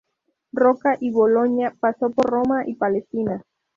Roca y Boloña pasó por Roma y Palestina.